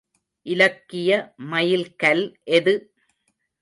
இலக்கிய மைல் கல் எது?